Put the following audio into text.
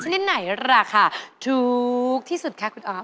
เฉนนี่ไหนล่ะคะถูกที่สุดค่ะคุณออฟ